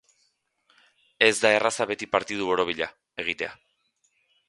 Ez da erraza beti partidu borobila, egitea.